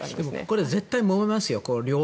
絶対もめますよ。